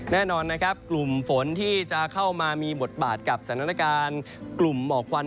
แน่นอนนะครับกลุ่มฝนที่จะเข้ามามีบทบาทกับสถานการณ์กลุ่มหมอกควัน